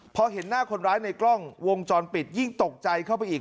พอเห็นหน้าคนร้ายในกล้องวงจรปิดยิ่งตกใจเข้าไปอีก